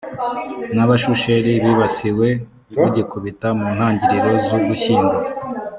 n abasushefu bibasiwe rugikubita mu ntangiriro z ugushyingo